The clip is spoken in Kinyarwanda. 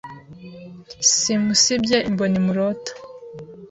Simusibye imboni murota !